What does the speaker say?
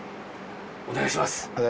お願いします。